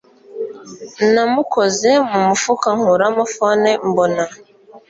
namukoze mu mufuka nkuramo phone mbona